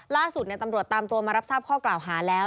ล่าสุดตำรวจตามตัวมารับทราบข้อกล่าวหาแล้ว